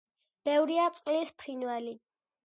ბევრია წყლის ფრინველი.